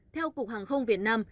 theo cục hàng không việt nam